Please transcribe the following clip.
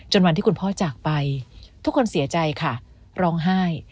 วันที่คุณพ่อจากไปทุกคนเสียใจค่ะร้องไห้